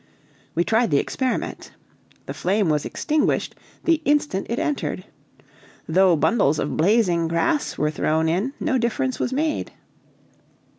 We tried the experiment. The flame was extinguished the instant it entered. Though bundles of blazing grass were thrown in, no difference was made.